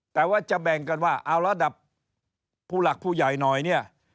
แต่ว่าจะแบ่งกันว่าเอาระดับผู้หลักผู้ใหญ่หน่อยเนี่ย